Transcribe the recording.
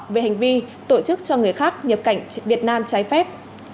về hành vi tổ chức cho người khác nhập cảnh việt nam trái phép